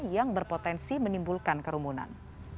yang berpotensi menimbulkan kerumunan